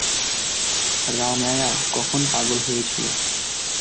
রাম্যায়া কখন পাগল হয়েছিল?